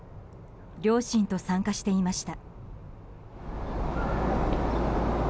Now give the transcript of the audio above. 両親と参加していました。